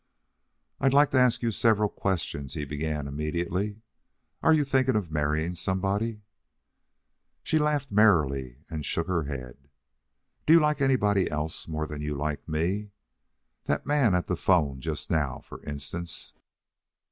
"I'd like to ask you several questions," he began immediately "Are you thinking of marrying somebody?" She laughed merrily and shook her head. "Do you like anybody else more than you like me? that man at the 'phone just now, for instance?"